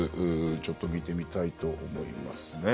ちょっと見てみたいと思いますね。